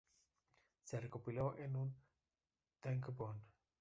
Se recopiló en un tankōbon.